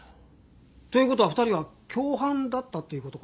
という事は２人は共犯だったという事か？